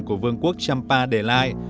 của vương quốc champa để lại